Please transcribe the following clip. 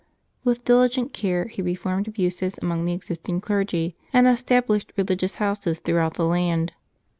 With diligent care he reformed abuses among the existing clergy, and estab lished religious houses throughout the land.